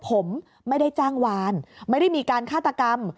ผมไม่ได้จ้างวานไม่ได้มีการฆาตกรรม